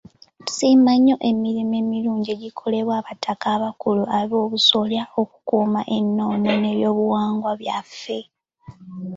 Tusiima nnyo emirimu emirungi egikolebwa abataka abakulu ab'obusolya okukuuma ennono n'ebyobuwangwa byaffe.